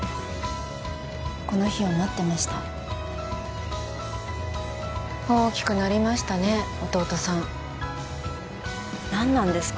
この日を待ってました大きくなりましたね弟さん何なんですか？